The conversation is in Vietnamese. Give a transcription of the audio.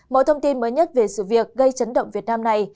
mỗi thông tin mới nhất về sự việc gây chấn động việt nam này